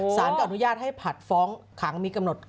สารก็อนุญาตให้ผัดฟ้องขังมีกำหนด